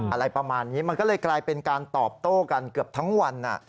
อะไรประมาณนี้มันก็เลยกลายเป็นการตอบโต้กันเกือบทั้งวัน